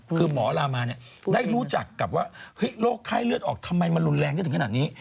คือหมอลามาเนี่ยได้รู้จักกับว่าโรคไข้เลือดออกทำไมมันรุนแรงได้ถึงขนาดนี้